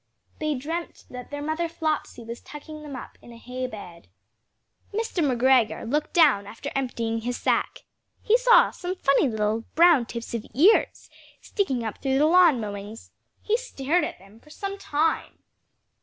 They dreamt that their mother Flopsy was tucking them up in a hay bed. Mr. McGregor looked down after emptying his sack. He saw some funny little brown tips of ears sticking up through the lawn mowings. He stared at them for some time.